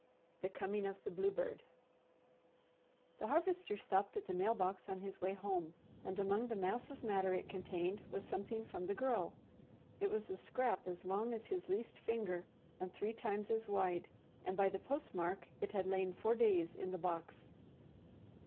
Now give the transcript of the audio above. THE COMING OF THE BLUEBIRD The Harvester stopped at the mail box on his way home and among the mass of matter it contained was something from the Girl. It was a scrap as long as his least finger and three times as wide, and by the postmark it had lain four days in the box.